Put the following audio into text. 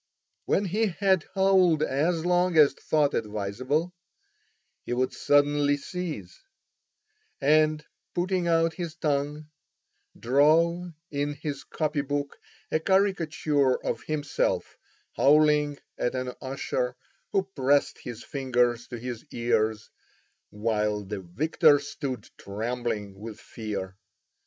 When he had howled as long as thought advisable, he would suddenly cease, and, putting out his tongue, draw in his copy book a caricature of himself howling at an usher who pressed his fingers to his ears, while the victor stood trembling with fear.